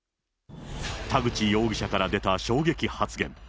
田口容疑者から出た衝撃発言。